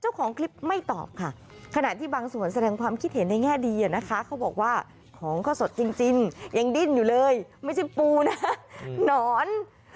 เจ้าของคลิปไม่ตอบค่ะขณะที่บางส่วนแสดงความคิดเห็นในแง่ดีนะคะเขาบอกว่าของก็สดจริงยังดิ้นอยู่เลยไม่ใช่ปูนะหนอน